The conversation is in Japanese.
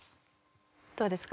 どうですか？